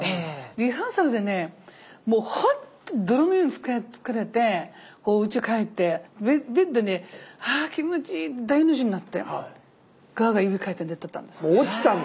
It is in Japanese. リハーサルでねもうほんと泥のように疲れてうちへ帰ってベッドに「あ気持ちいい」って大の字になってガーガーいびきかいて寝てたんですって。